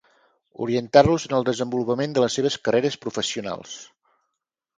Orientar-los en el desenvolupament de les seves carreres professionals.